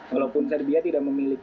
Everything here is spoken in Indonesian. walaupun serbia tidak memilih